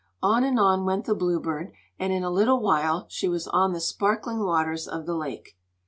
On and on went the Bluebird, and, in a little while, she was on the sparkling waters of the lake.